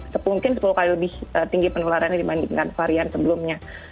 sepungkit sepuluh kali lebih tinggi penularannya dibandingkan varian sebelumnya